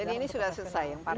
jadi ini sudah selesai yang parkir